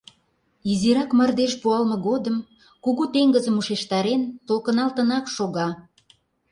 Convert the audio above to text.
Изирак мардеж пуалме годым, кугу теҥызым ушештарен, толкыналтынак шога.